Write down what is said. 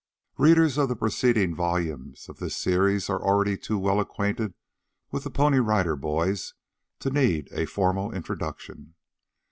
Readers of the preceding volumes of this series are already too well acquainted with the Pony Rider Boys to need a formal introduction.